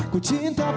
ku cinta padamu